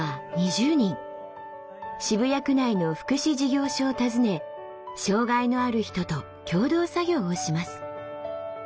渋谷区内の福祉事業所を訪ね障害のある人と共同作業をします。